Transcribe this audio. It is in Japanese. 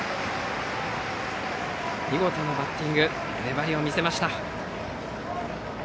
見事なバッティング粘りを見せました。